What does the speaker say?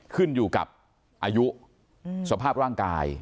ขึ้นอยู่กับอายุสภาพร่างกาย